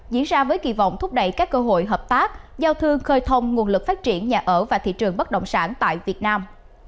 diễn ra với kỳ vọng thúc đẩy các cơ hội hợp tác giao thương khơi thông nguồn lực phát triển nhà ở và thị trường bất động sản tại việt nam